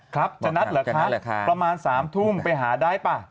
ครับจะนัดเหรอคะประมาณ๓ทุ่มไปหาได้ป่ะ